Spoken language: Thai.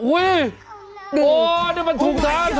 เฮ้ยดีโอ๊ยนี่มันถูกท้าเท่าจ้ะ